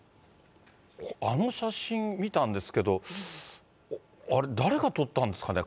あの写真見たんですけど、あれ、誰が撮ったんですかね。